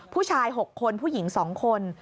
ผู้ชาย๖คนผู้หญิง๒คน